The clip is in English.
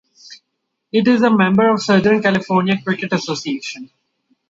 It is a member of the Southern California Cricket Association.